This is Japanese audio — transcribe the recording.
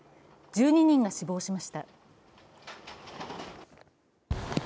１２人が死亡しました。